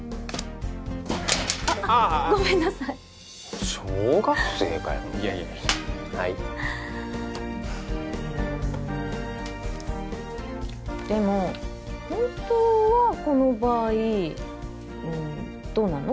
ああっごめんなさい小学生かよいやいやいやはいでも本当はこの場合どうなるの？